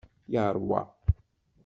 Yeṛwa.